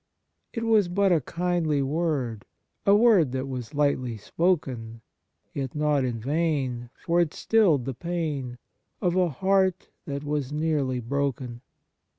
' It was but a kindly word, A word that was lightly spoken ; Yet not in vain, For it stilled the pain Of a heart that was nearly broken.